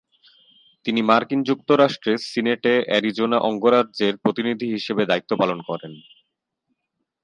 তিনি মার্কিন যুক্তরাষ্ট্রের সিনেটে অ্যারিজোনা অঙ্গরাজ্যের প্রতিনিধি হিসাবে দায়িত্বপালন করেন।